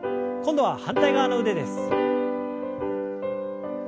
今度は反対側の腕です。